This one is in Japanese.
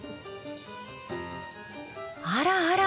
あらあら！